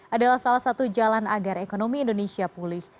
adalah salah satu jalan agar ekonomi indonesia pulih